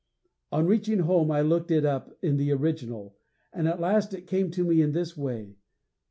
_ On reaching home, I looked it up in the original, and at last it came to me in this way.